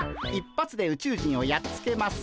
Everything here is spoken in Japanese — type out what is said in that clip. １発で宇宙人をやっつけます。